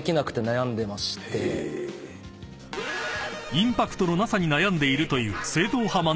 ［インパクトのなさに悩んでいるという］